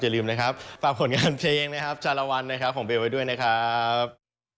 อย่าลืมฝากผลงานเพลงชารวัลของเบลไว้ด้วยนะครับ